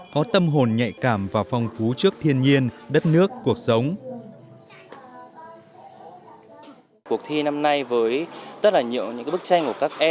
có tâm hồn nhạy cảm và phong phú trước thiên nhiên đất nước cuộc sống